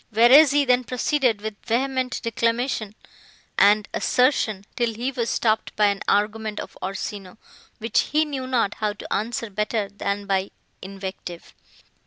Verezzi then proceeded with vehement declamation and assertion, till he was stopped by an argument of Orsino, which he knew not how to answer better than by invective.